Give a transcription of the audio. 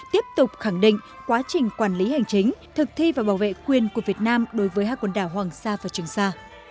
tiếp tục khẳng định quá trình quản lý hành chính thực thi và bảo vệ quyền của việt nam đối với hai quần đảo hoàng sa và trường sa